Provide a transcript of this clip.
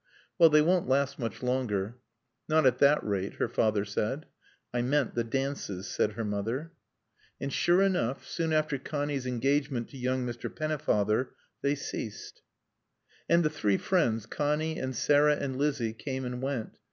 "Well, they won't last much longer." "Not at that rate," her father said. "I meant the dances," said her mother. And sure enough, soon after Connie's engagement to young Mr. Pennefather, they ceased. And the three friends, Connie and Sarah and Lizzie, came and went.